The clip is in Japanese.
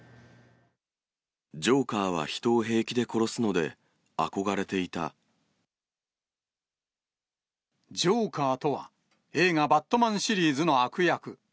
ジョーカーは人を平気で殺すジョーカーとは、映画、バットマンシリーズの悪役。